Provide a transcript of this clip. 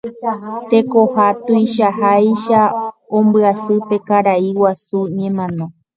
Tekoha tuichaháicha ombyasy pe karai guasu ñemano.